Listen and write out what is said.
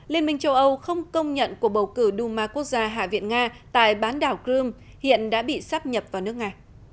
liên minh châu âu không công nhận cuộc bầu cử duma quốc gia hạ viện nga tại bán đảo crimea hiện đã bị sắp nhập vào nước nga